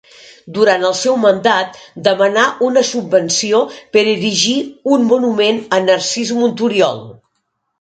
Durant el seu mandat demanà una subvenció per erigir un monument a Narcís Monturiol.